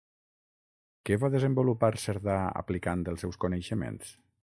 Què va desenvolupar Cerdà aplicant els seus coneixements?